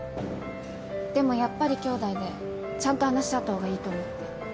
でもやっぱりきょうだいでちゃんと話し合った方がいいと思って。